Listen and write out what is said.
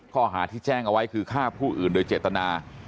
ข้อหาที่แจ้งเอาไว้คือฆ่าผู้อื่นโดยเจตนา